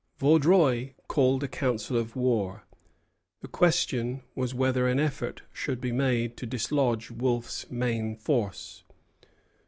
Vaudreuil called a council of war. The question was whether an effort should be made to dislodge Wolfe's main force.